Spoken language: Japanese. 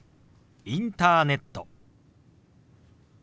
「インターネット」。